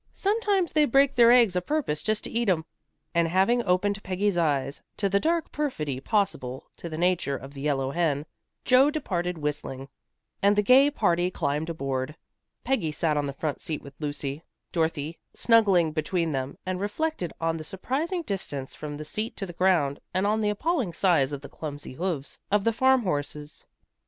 Sometimes they break their eggs a purpose just to eat 'em." And having opened Peggy's eyes to the dark perfidy possible to the nature of the yellow hen, Joe departed whistling, and the gay party climbed aboard. Peggy sat on the front seat with Lucy, Dorothy snuggling between them, and reflected on the surprising distance from the seat to the ground, and on the appalling size of the clumsy hoofs of the farmhorses.